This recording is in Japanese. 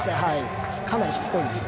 かなりしつこいですね。